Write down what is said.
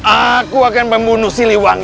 aku akan membunuh siliwang